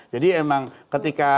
jadi emang ketika